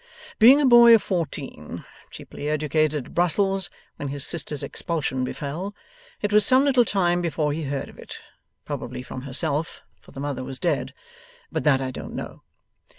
Being a boy of fourteen, cheaply educated at Brussels when his sister's expulsion befell, it was some little time before he heard of it probably from herself, for the mother was dead; but that I don't know.